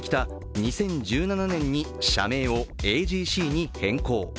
２０１７年に社名をＡＧＣに変更。